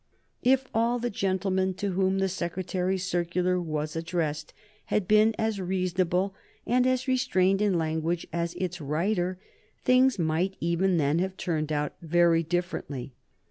If all the gentlemen to whom the Secretary's circular was addressed had been as reasonable and as restrained in language as its writer, things might even then have turned out very differently.